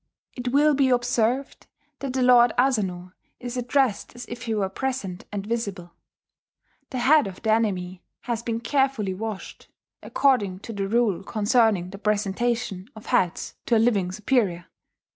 It will be observed that the Lord Asano is addressed as if he were present and visible. The head of the enemy has been carefully washed, according to the rule concerning the presentation of heads to a living superior.